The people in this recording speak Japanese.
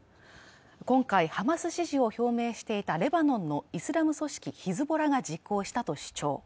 今回ハマス支持を表明していたレバンのイスラム組織ヒズボラが実行したと主張。